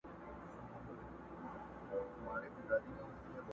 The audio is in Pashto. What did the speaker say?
هسي رنګه چي له ژونده یې بېزار کړم،